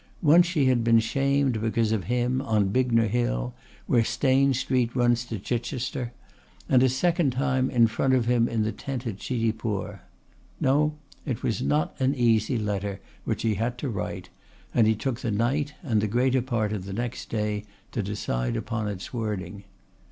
Once she had been shamed because of him, on Bignor Hill where Stane Street runs to Chichester, and a second time in front of him in the tent at Chitipur. No, it was not an easy letter which he had to write, and he took the night and the greater part of the next day to decide upon its wording.